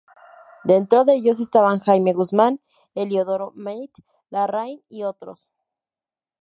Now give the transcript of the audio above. Dentro de ellos estaban Jaime Guzmán, Eliodoro Matte Larraín, y otros.